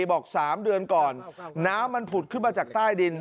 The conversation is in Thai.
บอก๓เดือนก่อนน้ำมันผุดขึ้นมาจากใต้ดิน